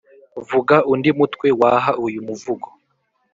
vuga undi mutwe waha uyu muvugo